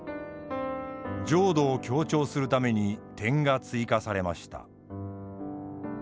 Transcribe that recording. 浄土を強調するために点が追加されました。